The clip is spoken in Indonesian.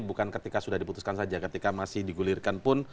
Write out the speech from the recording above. bukan ketika sudah diputuskan saja ketika masih digulirkan pun